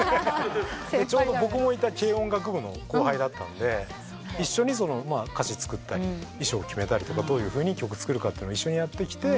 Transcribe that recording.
ちょうど僕もいた軽音楽部の後輩だったんで一緒に歌詞作ったり衣装を決めたりとかどういうふうに曲作るかって一緒にやってきて。